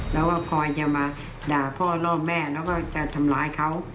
แล้วก็คอยจะมาด่าพ่อรอบแม่แล้วก็จะทำร้ายเขา